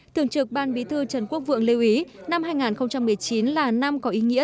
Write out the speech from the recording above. thường trực ban bí thư trần quốc vượng lưu ý năm hai nghìn một mươi chín là năm có ý nghĩa